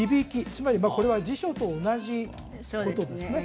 つまりこれは辞書と同じことですね？